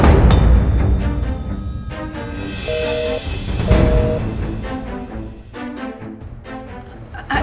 irfan saya bisa jelasin